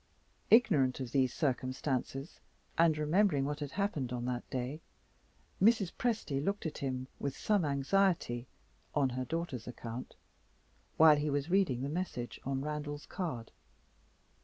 Ignorant of these circumstances, and remembering what had happened on that day, Mrs. Presty looked at him with some anxiety on her daughter's account, while he was reading the message on Randal's card.